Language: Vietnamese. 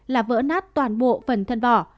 là vỡ nát toàn bộ phần thân vỏ